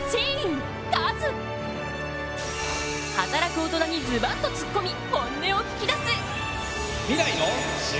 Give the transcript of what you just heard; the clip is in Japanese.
働く大人にズバッとつっこみ本音を聞きだす！